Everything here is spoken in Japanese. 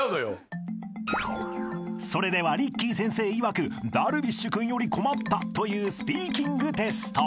［それではリッキー先生いわく樽美酒君より困ったというスピーキングテスト］